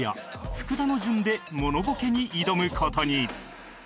福田の順でモノボケに挑む事に